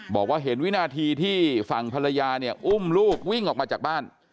บอกว่าเห็นวินาทีที่ฝั่งภรรยาเนี่ยอุ้มลูกวิ่งออกมาจากบ้าน